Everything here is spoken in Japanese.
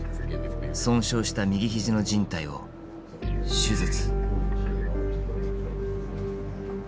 損傷した右肘のじん帯を手術。